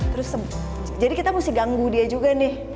terus jadi kita mesti ganggu dia juga nih